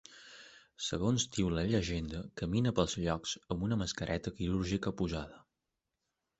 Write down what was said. Segons diu la llegenda, camina pels llocs amb una mascareta quirúrgica posada.